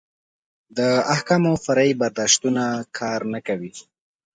د احکامو فرعي برداشتونه کار نه کوي.